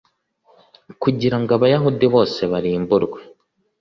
kugira ngo abayahudi bose barimburwe,